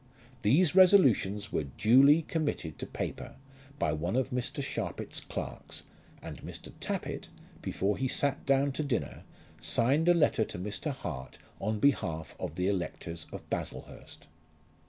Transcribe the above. These resolutions were duly committed to paper by one of Mr. Sharpit's clerks, and Mr. Tappitt, before he sat down to dinner, signed a letter to Mr. Hart on behalf of the electors of Baslehurst.